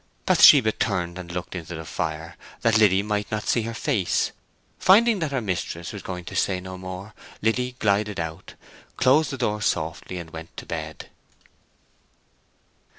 Bathsheba turned and looked into the fire, that Liddy might not see her face. Finding that her mistress was going to say no more, Liddy glided out, closed the door softly, and went to bed.